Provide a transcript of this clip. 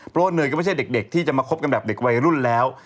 เพราะว่าเนยก็ไม่ใช่เด็กที่จะมาคบกันแบบเด็กวัยรุ่นแล้ว